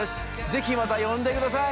ぜひまた呼んでください。